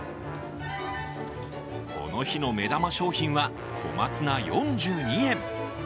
この日の目玉商品は、小松菜４２円。